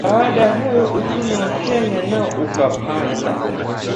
Baada ya hayo, uchumi wa Kenya nao ukapanda